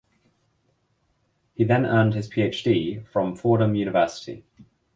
He then earned his PhD from Fordham University.